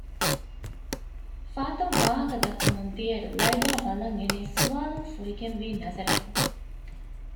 ފާތުން ވާހަކަ ދައްކަމުންދިޔައިރު ލައިބާ ބަލަންއިނީ ސުވާލުން ފުރިގެންވީ ނަޒަރަކުން